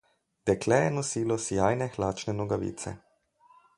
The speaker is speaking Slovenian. Dekle je nosilo sijajne hlačne nogavice.